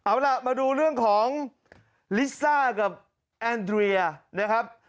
เอาล่ะมาดูเรื่องของลิซ่ากับแอนเตรียนะครับ